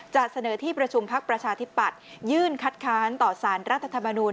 จะเสนอที่ประชุมพักประชาธิปัตยื่นคัดค้านต่อสารรัฐธรรมนูล